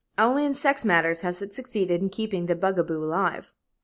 Only in sex matters has it succeeded in keeping the bugaboo alive.